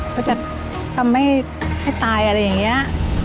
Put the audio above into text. เขาจะทำให้ให้ตายอะไรอย่างนี้